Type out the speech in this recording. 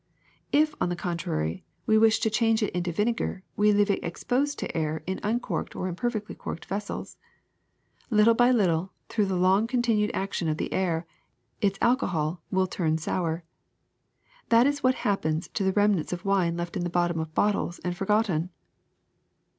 If, on the contrary, we wish to change it into vinegar we leave it exposed to the air in uncorked or imperfectly corked vessels. Little by little, through the long continued action of air, its alpohol will turn sour. That is what happens to the remnants of wine left in the bottom of bottles and forgotten.